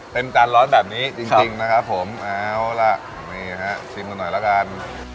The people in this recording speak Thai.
จานร้อนแบบนี้จริงนะครับผมเอาล่ะนี่ฮะชิมกันหน่อยละกัน